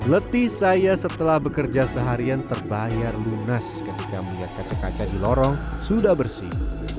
letih saya setelah bekerja seharian terbayar lunas ketika melihat kaca kaca di lorong sudah bersih